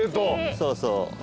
そうそう。